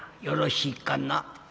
よろしいかな」。